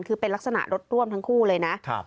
คือเป็นลักษณะรถร่วมทั้งคู่เลยนะ